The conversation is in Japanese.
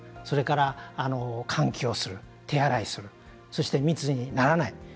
それから、換気をする手洗いする、そして密にならない。